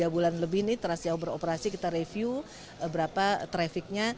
tiga bulan lebih ini terasiau beroperasi kita review berapa trafiknya